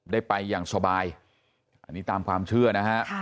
ได้ไปอย่างสบายอันนี้ตามความเชื่อนะฮะ